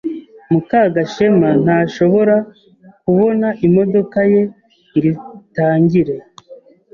Mukagashema ntashobora kubona imodoka ye ngo itangire.